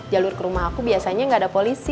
jalur ke rumah aku biasanya nggak ada polisi